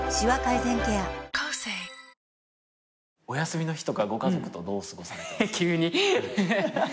お休みの日とかご家族とどう過ごす？